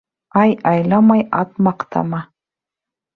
Ай айламай ат маҡтама